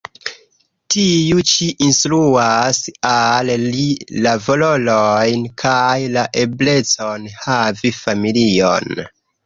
Tiu ĉi instruas al li la valorojn kaj la eblecon havi familion.